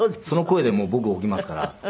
その声でもう僕起きますから。